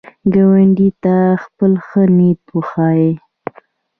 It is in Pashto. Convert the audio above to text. ګاونډي ته خپل ښه نیت وښیه